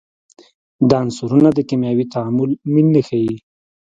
دا عنصرونه د کیمیاوي تعامل میل نه ښیي.